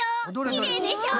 きれいでしょ？